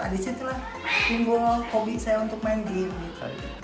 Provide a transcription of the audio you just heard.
di situ lah timbul hobi saya untuk main game